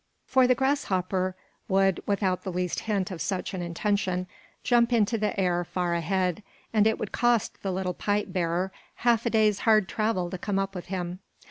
For Grasshopper would, without the least hint of such an intention, jump into the air far ahead, and it would cost the little pipe bearer half a day's hard travel to come up with him.